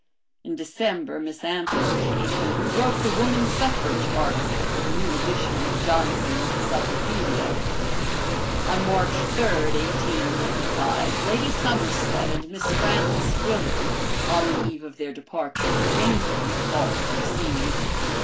In December Miss Anthony came, and we wrote the woman suffrage article for the new edition of Johnson's Cyclopedia. On March 3, 1895, Lady Somerset and Miss Frances Willard, on the eve of their departure for England, called to see me.